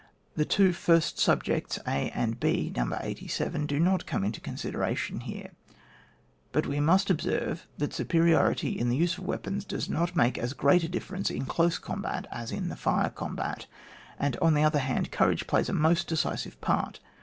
The two first subjects (a and b No. 87) do not come into consideration 1 «« "Riit we must observe that suneri ority in the use of weapons does not make as great a difference in close combat as in the fire combat; and, on the other hand, courage plays a most decisive part.